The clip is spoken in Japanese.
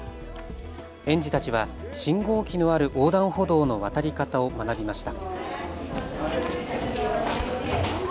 園児たちは信号機のある横断歩道の渡り方を学びました。